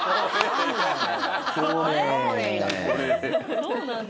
そうなんだ。